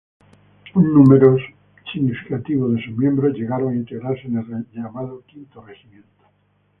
Un número significativo de sus miembros llegaron a integrarse en el llamado "Quinto Regimiento".